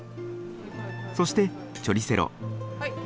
そしてチョリセロ。